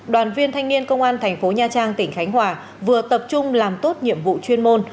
đoàn viên thanh niên công an thành phố nha trang tỉnh khánh hòa vừa tập trung làm tốt nhiệm vụ chuyên môn